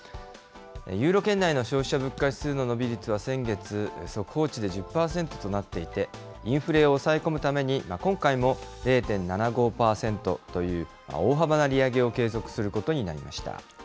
ユーロ圏内の消費者物価指数の伸び率は、速報値で１０％となっていて、インフレを押さえ込むために、今回も０．７５％という大幅な利上げを継続することになりました。